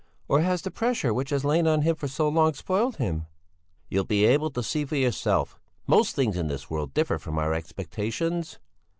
Or has the pressure which has lain on him for so long spoiled him?" "You'll be able to see for yourself. Most things in this world differ from our expectations."